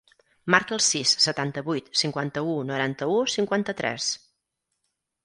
Marca el sis, setanta-vuit, cinquanta-u, noranta-u, cinquanta-tres.